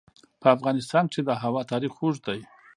په افغانستان کې د هوا تاریخ اوږد دی.